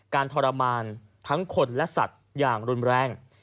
ทรมานทั้งคนและสัตว์อย่างรุนแรง